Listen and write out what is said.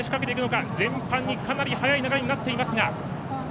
かなり速い流れになっています。